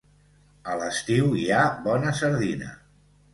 A l'estiu hi ha bona sardina.